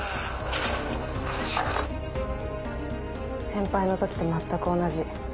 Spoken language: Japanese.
先輩の時と全く同じ。